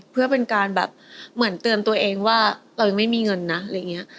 เพื่อเป็นการแบบเหมือนเตือนตัวเองว่าเรายังไม่มีเงินนะอะไรอย่างนี้